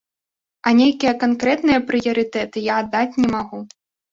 А нейкія канкрэтныя прыярытэты я аддаць не магу.